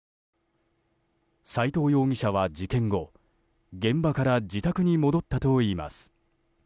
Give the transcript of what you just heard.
斎藤容疑者は事件後現場から自宅に戻ったといいます。